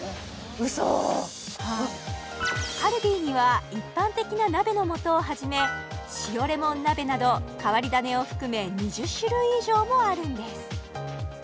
ウソカルディには一般的な鍋の素をはじめ塩レモン鍋など変わり種を含め２０種類以上もあるんです